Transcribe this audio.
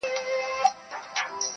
باد د غرونو غږ راوړي تل,